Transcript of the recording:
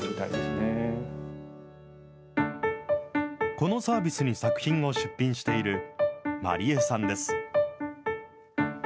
このサービスに作品を出品しているマリエさんです。